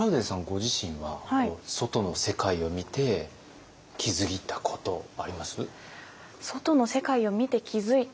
ご自身は外の世界を見て気付いたことあります？